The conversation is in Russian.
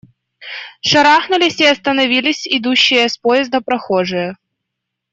Шарахнулись и остановились идущие с поезда прохожие.